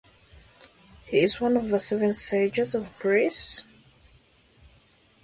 He is one of the Seven Sages of Greece.